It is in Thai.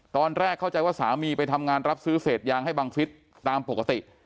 ตอนแรกเข้าใจว่าสามีไปทำงานรับซื้อเศษยางให้บังฟิศตามปกติ